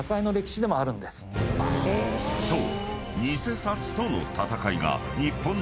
［そう］